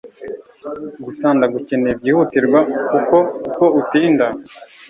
gusa ndagukeneye byihutirwa kuko uko utinda